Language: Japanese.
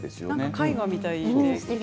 絵画みたいです。